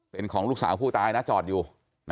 เป็นของลูกสาวผู้ตายนะจอดอยู่